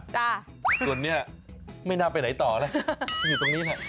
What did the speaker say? ส่วนนี้ไม่น่าไปไหนต่อแล้วอยู่ตรงนี้แหละ